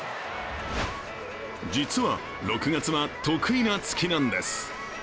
実は６月は得意な月なんです。